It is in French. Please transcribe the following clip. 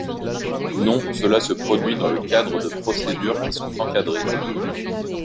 Non ! Cela se produit dans le cadre de procédures qui sont encadrées.